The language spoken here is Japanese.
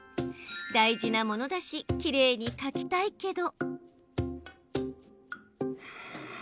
大事なものだしきれいに書きたいけど。